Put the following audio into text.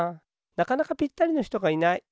なかなかぴったりのひとがいない。